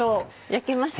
焼けました？